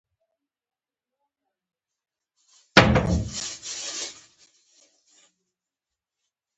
افغانستان د اسيا يو مهم هېواد ده